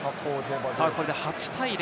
これで８対０。